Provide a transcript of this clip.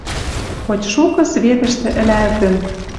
Хоть шукы светӹштӹ ӹлӓлтӹн.